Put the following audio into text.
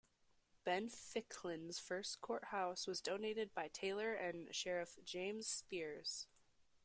Ben Ficklin's first courthouse was donated by Taylor and Sheriff James Spears.